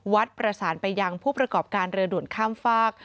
ประสานไปยังผู้ประกอบการเรือด่วนข้ามฝาก